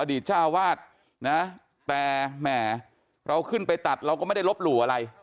อดีตท่านเจ้าวาดแปรแหมเราขึ้นไปตัดเราก็ไม่ได้ลบหลู่อะไร